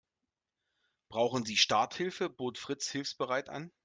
Brauchen Sie Starthilfe?, bot Fritz hilfsbereit an.